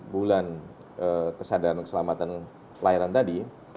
bulan kesadaran keselamatan pelayanan tadi